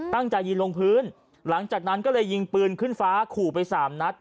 ตั้งใจยิงลงพื้นหลังจากนั้นก็เลยยิงปืนขึ้นฟ้าขู่ไปสามนัด